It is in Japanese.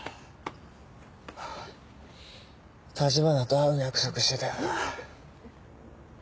橘と会う約束してたよな。